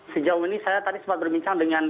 sejauh ini saya tadi sempat berbincang dengan